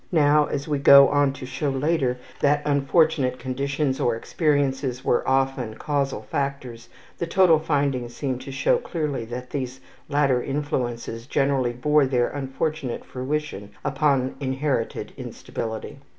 Now, as we go on to show later that unfortunate conditions or experiences were often causal factors, the total findings seem to show clearly that these latter influences generally bore their unfortunate fruition upon inherited instability.